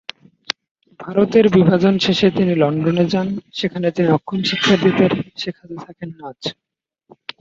ভারতের বিভাজন শেষে তিনি লন্ডনে যান সেখানে তিনি অক্ষম শিক্ষার্থীদের শেখাতে থাকেন নাচ।